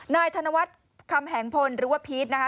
ธนวัฒน์คำแหงพลหรือว่าพีชนะคะ